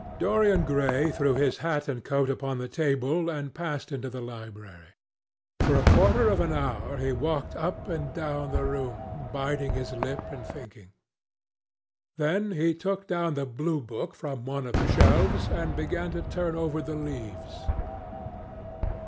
Dorian Gray threw his hat and coat upon the table and passed into the library. For a quarter of an hour he walked up and down the room, biting his lip and thinking. Then he took down the Blue Book from one of the shelves and began to turn over the leaves.